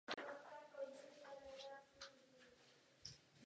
Jsou využívány značné finanční zdroje.